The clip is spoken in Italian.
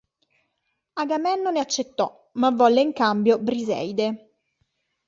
Agamennone accettò, ma volle in cambio Briseide.